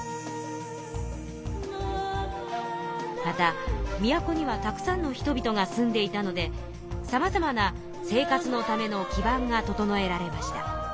また都にはたくさんの人々が住んでいたのでさまざまな生活のための基盤が整えられました。